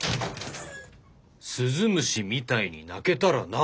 「鈴虫みたいに泣けたらな」。